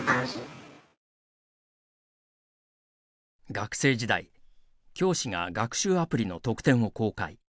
学生時代、教師が学習アプリの得点を公開。